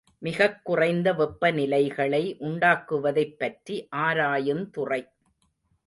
மிகக் குறைந்த வெப்பநிலைகளை உண்டாக்குவதைப் பற்றி ஆராயுந்துறை.